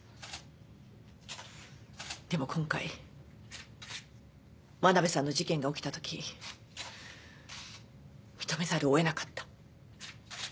でも今回真鍋さんの事件が起きたとき認めざるを得なかった。